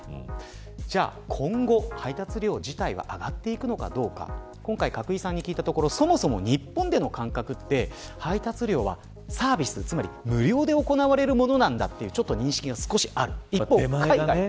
じゃあ今後、配達料自体は上がっていくのかどうか今回角井さんに聞いたところそもそも日本での感覚って配達料は無料で行われるものなんだという認識が少しある。